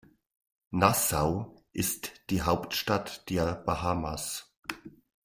Nassau ist die Hauptstadt der Bahamas.